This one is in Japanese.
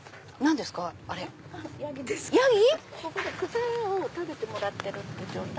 草を食べてもらってる状態。